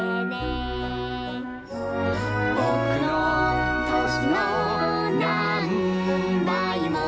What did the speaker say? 「ぼくのとしのなんばいも」